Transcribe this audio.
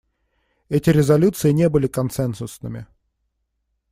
Эти резолюции не были консенсусными.